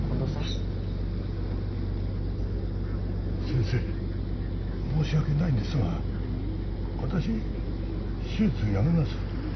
先生申し訳ないんですが私手術やめます。